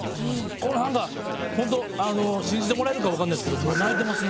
これホント信じてもらえるかわかんないですけど泣いてますね。